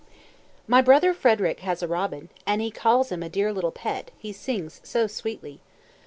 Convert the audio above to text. My brother Frederick has a robin, and he calls him a dear little pet, he sings so sweetly.